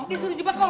disuruh jebak kong